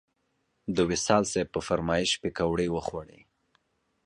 د وصال صیب په فرمایش پکوړې وخوړې.